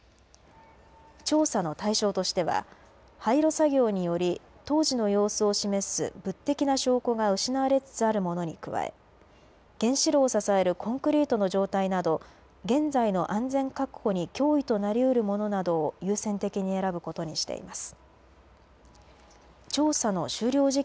調査の対象としては廃炉作業により当時の様子を示す物的な証拠が失われつつあるものに加え原子炉を支えるコンクリートの状態など現在の安全確保に脅威となりうるものなどを優先的に選ぶことにしています。